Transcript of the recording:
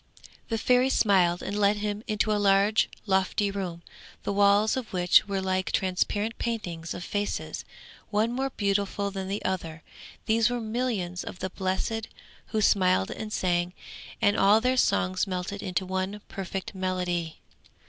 _] The Fairy smiled and led him into a large, lofty room, the walls of which were like transparent paintings of faces, one more beautiful than the other. These were millions of the Blessed who smiled and sang, and all their songs melted into one perfect melody.